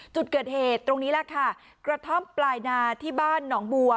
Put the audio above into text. จุดเกิดเหตุตรงนี้แหละค่ะกระท่อมปลายนาที่บ้านหนองบัว